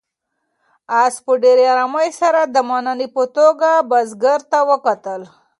آس په ډېرې آرامۍ سره د مننې په توګه بزګر ته وکتل.